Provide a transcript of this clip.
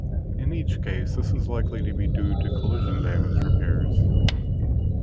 In each case, this is likely to be due to collision damage repairs.